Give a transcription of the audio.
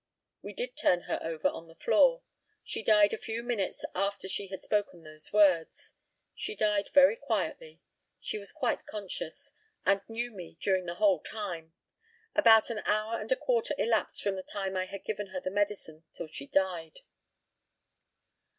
We did turn her over on the floor. She died a very few minutes after she had spoken those words. She died very quietly. She was quite conscious, and knew me during the whole time. About an hour and a quarter elapsed from the time I gave her the medicine till she died.